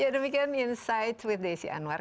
ya demikian insight with desi anwar